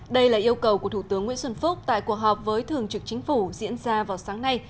đây là yêu cầu của thủ tướng nguyễn xuân phúc tại cuộc họp với thường trực chính phủ diễn ra vào sáng nay